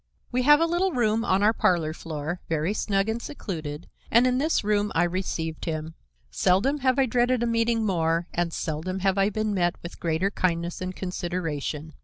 We have a little room on our parlor floor, very snug and secluded, and in this room I received him. Seldom have I dreaded a meeting more and seldom have I been met with greater kindness and consideration.